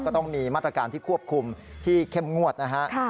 ก็ต้องมีมาตรการที่ควบคุมที่เข้มงวดนะฮะ